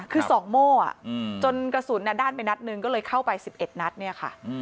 คือ๒โม่จนกระสุนด้านไปนัดหนึ่งก็เลยเข้าไป๑๑นัดเนี่ยค่ะ